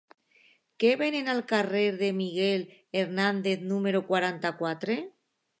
Què venen al carrer de Miguel Hernández número quaranta-quatre?